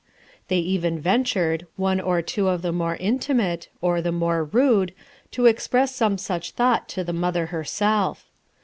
They even ventured, one or two of the more intimate, or the more rude, to express some such thought to the mother herself.